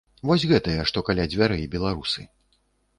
Вось гэтыя, што каля дзвярэй, беларусы.